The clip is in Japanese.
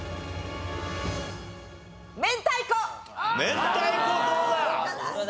明太子どうだ？